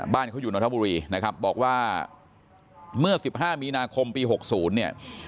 บ้านเขาอยู่นนทบุรีนะครับบอกว่าเมื่อ๑๕มีนาคมปี๖๐เนี่ย